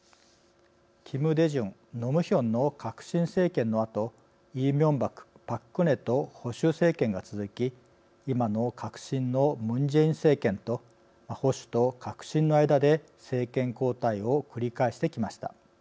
キム・デジュンノ・ムヒョンの革新政権のあとイ・ミョンバクパク・クネと保守政権が続き今の革新のムン・ジェイン政権と保守と革新の間で政権交代を繰り返してきました。